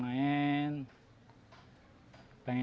suruh belajar jangan banyak main